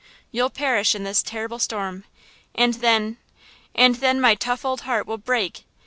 You'll perish in this terrible storm and then–and then my tough old heart will break!